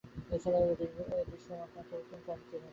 এ ছাড়া দৃশ্যমান পার্থক্য খুব কমই চোখে পড়বে।